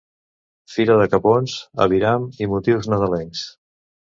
Fira de capons, aviram i motius nadalencs.